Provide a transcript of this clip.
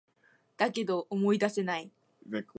だけど、思い出せない